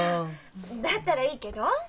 だったらいいけど。